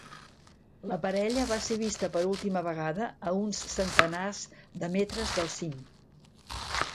La parella va ser vista per última vegada a uns centenars de metres del cim.